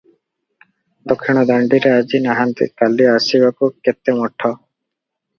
ଦକ୍ଷିଣ ଦାଣ୍ଡିରେ ଆଜି ନାହାନ୍ତି, କାଲି ଆସିବାକୁ କେତେ ମଠ?